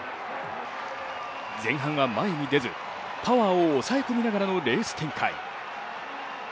前半は前に出ず、パワーを抑え込みながらのレース展開。